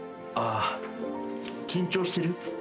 ああ緊張してる？